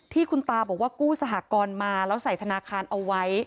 ที่คุณตาบอกว่ากู้สหกรณ์มาแล้วใส่ธนาคารเอาไว้